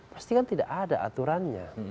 pasti kan tidak ada aturannya